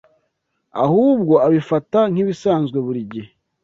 ahubwo abifata nk’ibisanzwe buri gihe